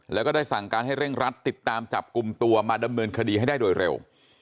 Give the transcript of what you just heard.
แล้วก็ได้สั่งการให้เร่งรัดติดตามจับกลุ่มตัวมาดำเนินคดีให้ได้โดยเร็ว